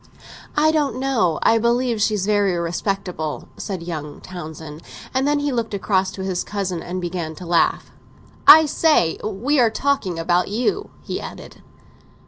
"I don't know—I believe she's very respectable," said young Townsend. And then he looked across to his cousin and began to laugh. "Look here, we are talking about you," he added.